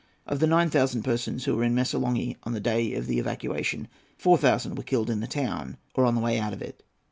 Of the nine thousand persons who were in Missolonghi on the day of the evacuation, four thousand were killed in the town or on the way out of it.